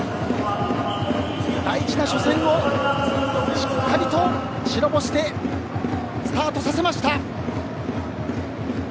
大事な初戦をしっかりと白星でスタートさせました。